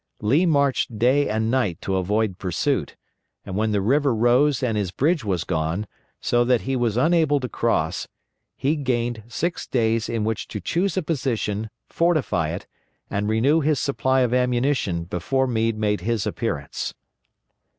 Lee marched day and night to avoid pursuit, and when the river rose and his bridge was gone, so that he was unable to cross, he gained six days in which to choose a position, fortify it, and renew his supply of ammunition before Meade made his appearance.